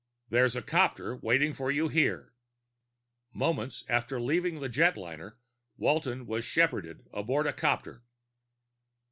There's a copter waiting for you here." Moments after leaving the jetliner, Walton was shepherded aboard the 'copter.